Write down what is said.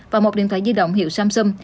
và một điện thoại di động hiệu samsung